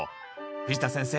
藤田先生